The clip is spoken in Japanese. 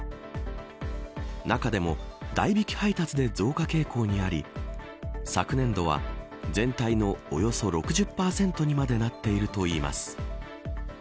中でも、代引き配達で増加傾向にあり、昨年度は全体のおよそ６０％にまでなっているといいます。